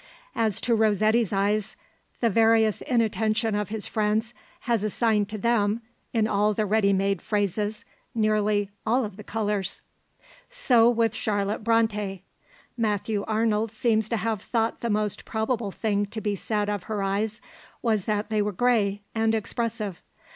As to Rossetti's eyes, the various inattention of his friends has assigned to them, in all the ready made phrases, nearly all the colours. So with Charlotte Bronte. Matthew Arnold seems to have thought the most probable thing to be said of her eyes was that they were grey and expressive.